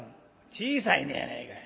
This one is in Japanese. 「小さいねやないかい。